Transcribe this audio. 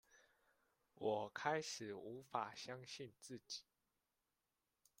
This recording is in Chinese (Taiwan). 我開始無法相信自己